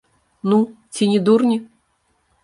Ну, ці не дурні?